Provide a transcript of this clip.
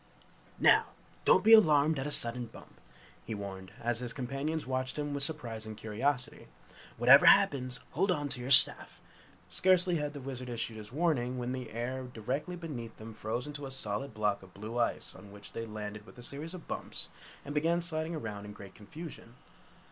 "Now, don't be alarmed at a sudden bump!" he warned, as his companions watched him with surprise and curiosity! "Whatever happens hold on to your staff!" Scarcely had the Wizard issued his warning when the air directly beneath them froze into a solid block of blue ice on which they landed with a series of bumps, and began sliding around in great confusion.